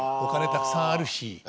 たくさんあるし。